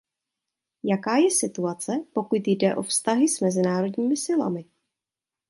Jaká je situace, pokud jde o vztahy s mezinárodními silami?